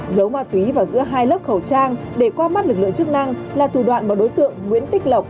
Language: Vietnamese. giấu ma túy vào giữa hai lớp khẩu trang để qua mắt lực lượng chức năng là thủ đoạn mà đối tượng nguyễn tích lộc